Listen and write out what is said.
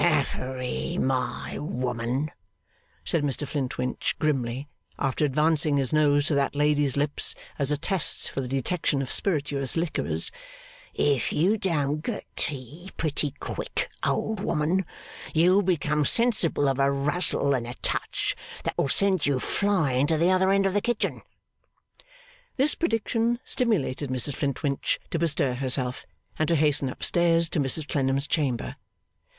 'Affery, my woman,' said Mr Flintwinch grimly, after advancing his nose to that lady's lips as a test for the detection of spirituous liquors, 'if you don't get tea pretty quick, old woman, you'll become sensible of a rustle and a touch that'll send you flying to the other end of the kitchen.' This prediction stimulated Mrs Flintwinch to bestir herself, and to hasten up stairs to Mrs Clennam's chamber.